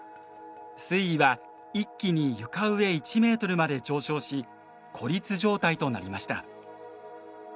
水位は一気に床上１メートルまで上昇し孤立状態となりました。